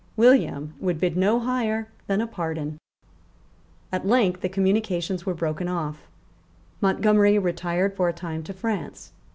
William would bid no higher than a pardon. At length the communications were broken off. Montgomery retired for a time to France.